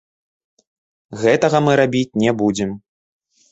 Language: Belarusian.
Гэтага мы рабіць не будзем.